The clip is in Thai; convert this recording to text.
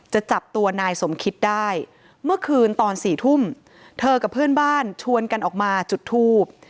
จะจับตัวนายสมคิดได้เมื่อคืนตอน๔ทุ่มเธอกับเพื่อนบ้านชวนกันออกมาจุดทูบ